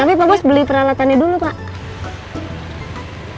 tapi pak bos beli peralatannya dulu pak